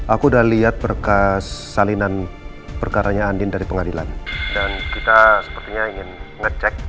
aku udah lihat berkas salinan perkaranya andin dari pengadilan dan kita sepertinya ingin ngecek